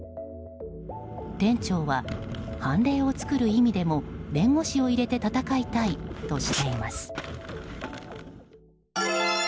店長は、判例を作る意味でも弁護士を入れて戦いたいとしています。